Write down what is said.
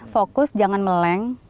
fokus jangan meleng